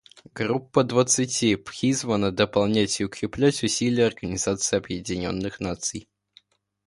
Группа двадцати призвана дополнять и укреплять усилия Организации Объединенных Наций.